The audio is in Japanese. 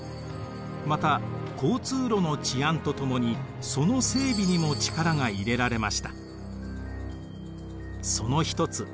また交通路の治安とともにその整備にも力が入れられました。